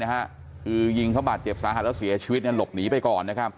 คือยิงเขาบาดเจ็บสาหัสแล้วเสียชีวิตหลบหนีไปก่อนนะครับ